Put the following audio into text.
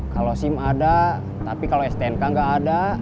kalau sim ada tapi kalau stnk nggak ada